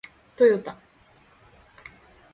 トヨタ